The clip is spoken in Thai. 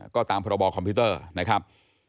ก็ตามพรบคอมพิวเตอร์นะครับ